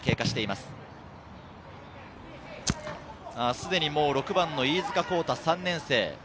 すでに６番の飯塚弘大、３年生。